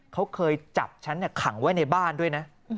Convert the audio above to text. เขาเคยจับฉันขังไว้ในบ้านด้วยนะ